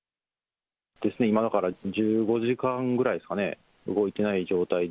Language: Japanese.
今だから１５時間ぐらいですかね、動いてない状態で。